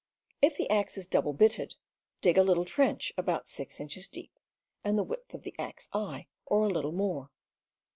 If the axe is double bitted, dig a little trench about six inches deep and the width of the axe eye, or a little more.